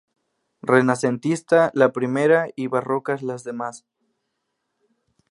Renacentista la primera y barrocas las demás.